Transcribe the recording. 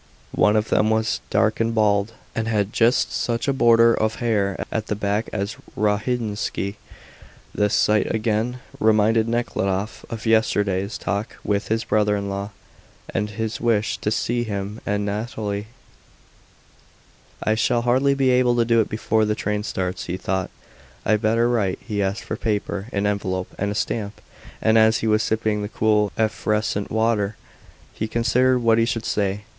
One of them was dark and bald, and had just such a border of hair at the back as Rogozhinsky. This sight again reminded Nekhludoff of yesterday's talk with his brother in law and his wish to see him and Nathalie. "I shall hardly be able to do it before the train starts," he thought; "I'd better write." He asked for paper, an envelope, and a stamp, and as he was sipping the cool, effervescent water he considered what he should say.